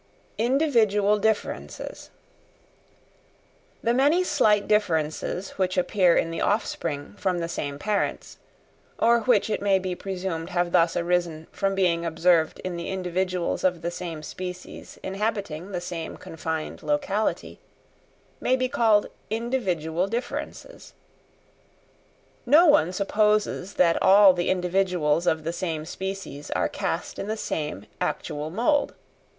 Individual Differences. The many slight differences which appear in the offspring from the same parents, or which it may be presumed have thus arisen, from being observed in the individuals of the same species inhabiting the same confined locality, may be called individual differences. No one supposes that all the individuals of the same species are cast in the same actual mould.